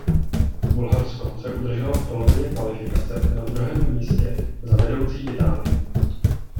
Bulharsko se udrželo v polovině kvalifikace na druhém místě za vedoucí Itálií.